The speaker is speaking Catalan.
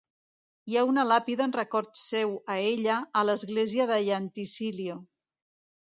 Hi ha una làpida en record seu a ella a l'església de Llantysilio.